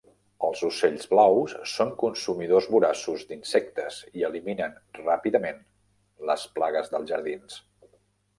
Els ocells blaus són consumidors voraços d'insectes i eliminen ràpidament les plagues dels jardins.